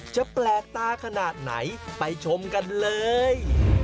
แปลกตาขนาดไหนไปชมกันเลย